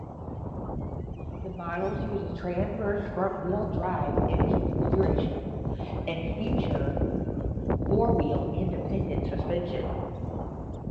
The models use a transverse front-wheel drive engine configuration and feature four-wheel independent suspension.